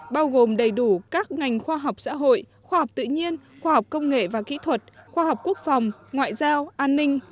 bao gồm đầy đủ các ngành khoa học xã hội khoa học tự nhiên khoa học công nghệ và kỹ thuật khoa học quốc phòng ngoại giao an ninh